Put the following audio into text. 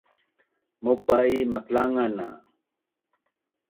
maupa i maklangan a